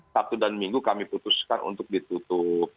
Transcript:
sabtu dan minggu kami putuskan untuk ditutup